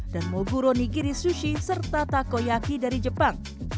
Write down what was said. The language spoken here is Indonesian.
dan moburo nigiri sushi serta takoyaki dari jepang